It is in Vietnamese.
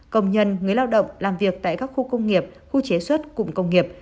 công nhân người lao động làm việc tại các khu công nghiệp khu chế xuất cụm công nghiệp